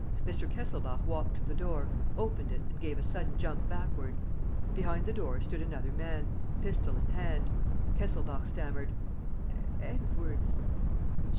Mr. Kesselbach walked to the door, opened it and gave a sudden jump backward. Behind the door stood another man, pistol in hand. Kesselbach stammered: "Edwards